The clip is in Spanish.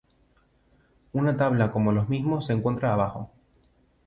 Una tabla como los mismos se encuentra abajo.